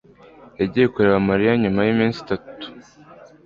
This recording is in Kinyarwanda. yagiye kureba mariya nyuma yiminsi itatu